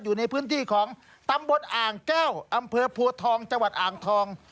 อยู่ในพื้นที่ของตำบลอ่างแก้วอำเภอโพทองจังหวัดอ่างทอง